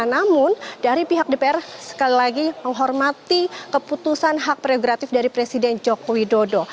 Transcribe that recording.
namun dari pihak dpr sekali lagi menghormati keputusan hak prerogatif dari presiden joko widodo